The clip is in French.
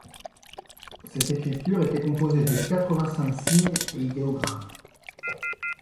Cette écriture était composée de quatre-vingt-cinq signes et idéogrammes.